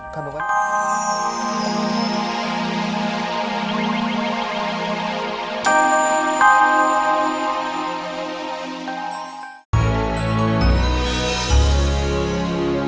dixon menganggap yang diambil